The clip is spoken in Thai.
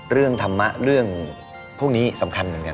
เรื่องธรรมะเรื่องพวกนี้สำคัญเหมือนกัน